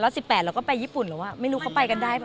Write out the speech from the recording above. แล้วสิบแปดเราก็ไปญี่ปุ่นหรือเปล่าไม่รู้เขาไปกันได้